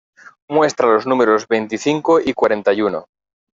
Muestra los números veinticinco y cuarenta y uno.